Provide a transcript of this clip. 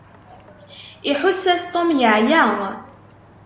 Iḥuss-as Tom yeɛya.